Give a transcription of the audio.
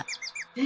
え？